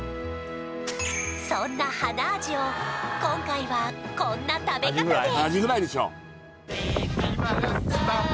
そんな華あじを今回はこんな食べ方で！